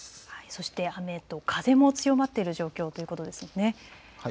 そして、雨と風も強まっている状況ですよね。